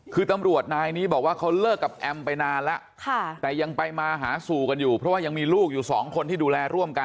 คือตำรวจนายนี้บอกว่าเขาเลิกกับแอมไปนานแล้วแต่ยังไปมาหาสู่กันอยู่เพราะว่ายังมีลูกอยู่สองคนที่ดูแลร่วมกัน